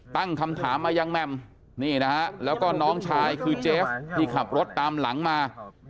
ตั้งคำถามมายังแหม่มนี่นะฮะแล้วก็น้องชายคือเจฟที่ขับรถตามหลังมา